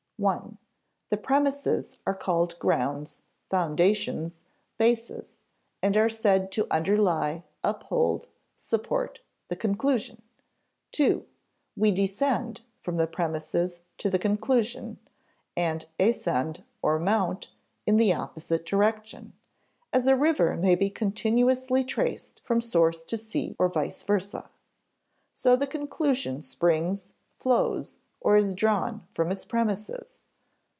(1) The premises are called grounds, foundations, bases, and are said to underlie, uphold, support the conclusion. (2) We "descend" from the premises to the conclusion, and "ascend" or "mount" in the opposite direction as a river may be continuously traced from source to sea or vice versa. So the conclusion springs, flows, or is drawn from its premises.